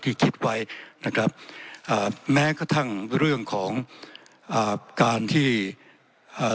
คิดไว้นะครับอ่าแม้กระทั่งเรื่องของอ่าการที่อ่า